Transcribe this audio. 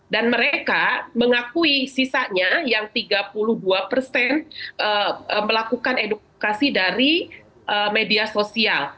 dan mereka mengakui sisanya yang tiga puluh dua persen melakukan edukasi dari media sosial